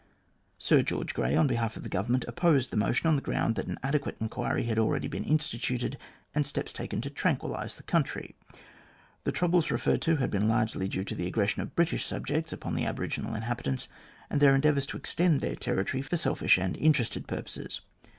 Sir George Grey, on behalf of the Government, opposed the motion on the ground that an adequate inquiry had already been instituted, and steps taken to tranquil] ise the country. The troubles referred to had been largely due to the aggression of British subjects upon the aboriginal in habitants, and their endeavours to extend their territory for selfish and interested purposes.